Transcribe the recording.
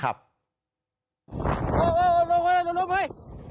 โหโหโหลงลงไห้